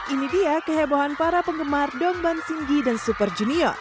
ini dia kehebohan para penggemar dongban singgi dan super junior